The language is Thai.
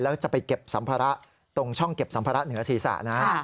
แล้วจะไปเก็บสัมภาระตรงช่องเก็บสัมภาระเหนือศีรษะนะ